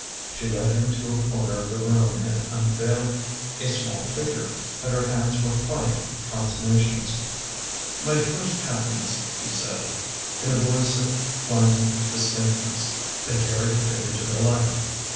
She led him to a corner of the room and unveiled a small figure, and her hands were pliant consummations. " My first happiness," she said, in a voice of climbing distinctness. They carried the figure to the light.